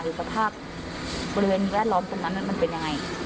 สภาพบริเวณแวดล้อมตรงนั้นมันเป็นยังไง